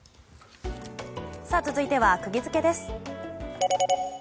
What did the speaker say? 続いてはクギヅケです。